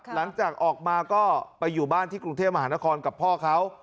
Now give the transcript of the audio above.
หลังจากออกมาก็ไปอยู่บ้านที่กรุงเทพมหานครกับพ่อเขา